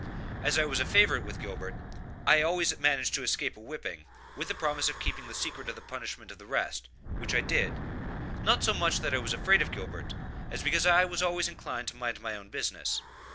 As I was a favorite with Gilbert, I always had managed to escape a whipping, with the promise of keeping the secret of the punishment of the rest, which I did, not so much that I was afraid of Gilbert, as because I always was inclined to mind my own business.